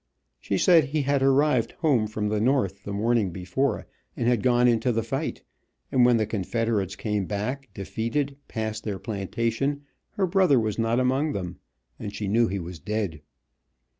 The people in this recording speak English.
She said he had arrived home from the North the morning before, and had gone into the fight, and when the Confederates came back, defeated, past their plantation, her brother was not among them, and she knew he was dead.